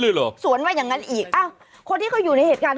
เหรอสวนว่าอย่างนั้นอีกอ้าวคนที่เขาอยู่ในเหตุการณ์